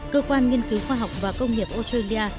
cơ quan nghiên cứu khoa học và công nghiệp australia